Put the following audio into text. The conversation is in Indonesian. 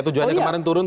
tujuannya kemarin turun